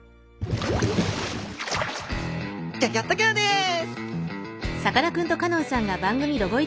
ギョギョッと号です！